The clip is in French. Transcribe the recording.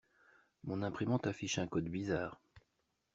Mon imprimante affiche un code bizarre.